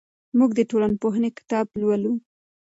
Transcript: موږ د ټولنپوهنې کتاب لولو.